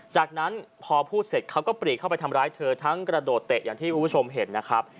จากนั้นพอพูดเสร็จเขาก็ปรีกเข้าไปทำร้ายเธอทั้งกระโดดเตะอย่างที่คุณผู้ชมเห็นนะครับ